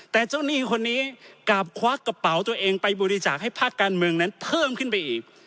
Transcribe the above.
แต่เจ้าหนี้คนนี้กลับควักกระเป๋าตัวเองไปบริจาคให้ภาคการเมืองนั้นเพิ่มขึ้นไปอีก